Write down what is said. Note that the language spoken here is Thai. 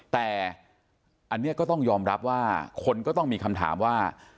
แต่อันนี้ก็ต้องยอมรับว่าคนก็ต้องมีคำถามว่า